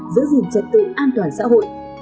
giữ gìn trật tự an toàn xã hội